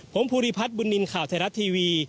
ผมภูริพัฒน์บุญนินทร์ข่าวไทยรัฐทีวี